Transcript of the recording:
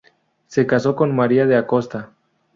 Se casó con María de Acosta.